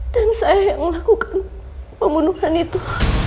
dan saya yang melakukan pembunuhan itu